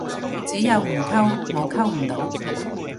只有唔溝，冇溝唔到